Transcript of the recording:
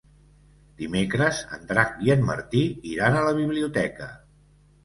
Dimecres en Drac i en Martí iran a la biblioteca.